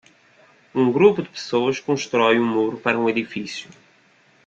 Um grupo de pessoas constrói um muro para um edifício